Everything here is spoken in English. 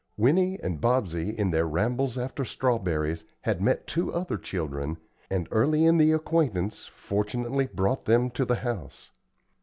Winnie and Bobsey, in their rambles after strawberries, had met two other children, and, early in the acquaintance, fortunately brought them to the house.